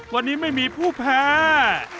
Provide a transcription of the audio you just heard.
วันนี้ไม่มีผู้แพ้